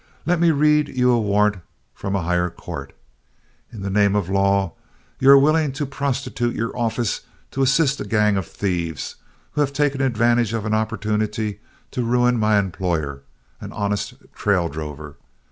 "Let me read you a warrant from a higher court. In the name of law, you are willing to prostitute your office to assist a gang of thieves who have taken advantage of an opportunity to ruin my employer, an honest trail drover.